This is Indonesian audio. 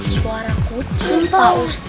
suara kucing pak ustadz